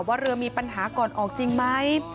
ว่าเรือมีปัญหาก่อนออกจริงไหม